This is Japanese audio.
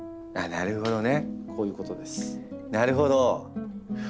なるほどね。